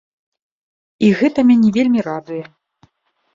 І гэта мяне вельмі радуе.